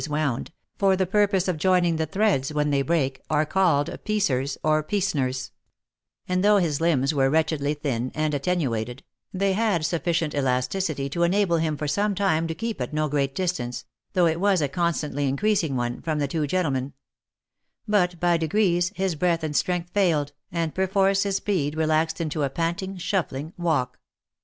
Michael, for a piecer,* was a tall child for his age; and, though his limbs were wretchedly thin and attenuated, they had sufficient elasticity to enable him for some time to keep at no great distance, though it was a constantly increasing one, from the two gentlemen ; but, by degrees, his breath and strength failed, and perforce his speed relaxed into a panting, shuffling, walk.